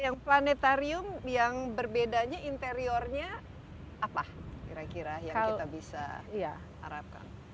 jadi planetarium yang berbedanya interiornya apa kira kira yang kita bisa harapkan